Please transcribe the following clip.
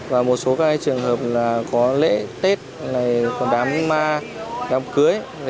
và một số trường hợp có lễ tết đám ma đám cưới